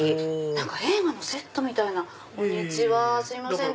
何か映画のセットみたいなこんにちはすいません